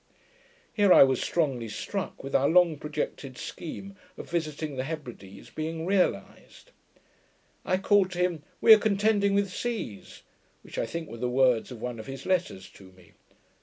Here I was strongly struck with our long projected scheme of visiting the Hebrides being realized. I called to him, 'We are contending with seas;' which I think were the words of one of his letters to me.